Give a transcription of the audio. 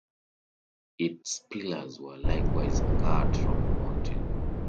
Its pillars were likewise cut from the mountain.